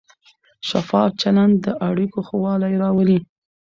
شفاف چلند د اړیکو ښه والی راولي.